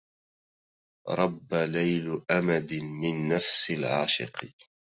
رب ليل أمد من نفس العاشق